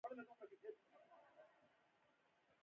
دومره وي چې څوک به يې له ځايه پورته نه کړای شي.